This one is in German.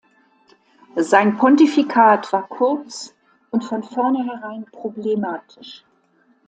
Sein Pontifikat war kurz und von vornherein problematisch.